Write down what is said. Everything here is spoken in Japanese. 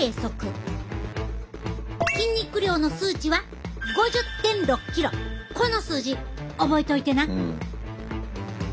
筋肉量の数値はこの数字覚えといてな。